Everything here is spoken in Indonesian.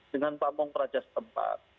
dengan pamung kerajaan setempat